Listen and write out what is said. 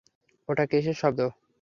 ওটা কীসের শব্দ?